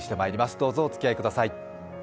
どうぞお付き合いください。